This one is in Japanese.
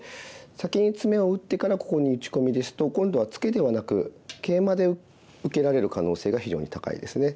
先にツメを打ってからここに打ち込みですと今度はツケではなくケイマで受けられる可能性が非常に高いですね。